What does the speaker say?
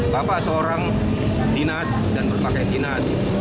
bapak seorang dinas dan berpakaian dinas